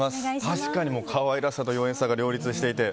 確かに可愛らしさと妖艶さが両立していて。